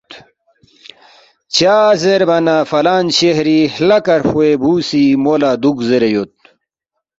چازیرنہ فلان شہری ہلہ کرفوے بُو سی مو لہ دُوک زیرے یود